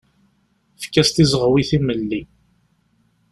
Efk-as tizeɣwi timelli.